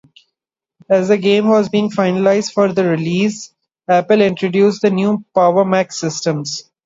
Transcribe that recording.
As the game was being finalized for release, Apple introduced the new PowerMac systems.